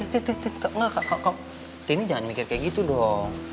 tin tin tin kak kak kak kak tin jangan mikir kayak gitu dong